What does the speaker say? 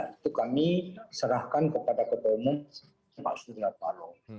itu kami serahkan kepada ketua umum pak surya paloh